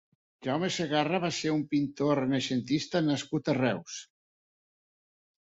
Jaume Segarra va ser un pintor renaixentista nascut a Reus.